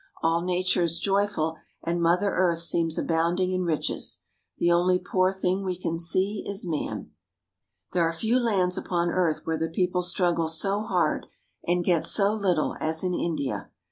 All nature is joyful, and Mother Earth seems abounding in riches. The only poor thing we can see is man. There are few lands upon earth where the people strug 256 THE VILLAGES OF INDIA gle SO hard and get so little as in India.